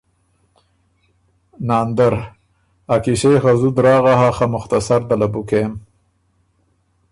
ناندر ـــ”ا قیصۀ يې خه زُت دراغه هۀ خه مختصر ده له بو کېم“